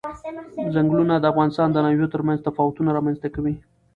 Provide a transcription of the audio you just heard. چنګلونه د افغانستان د ناحیو ترمنځ تفاوتونه رامنځ ته کوي.